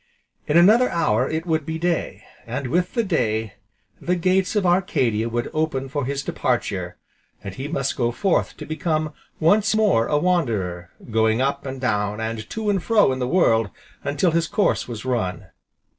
In another hour it would be day, and with the day, the gates of Arcadia would open for his departure, and he must go forth to become once more a wanderer, going up and down, and to and fro in the world until his course was run.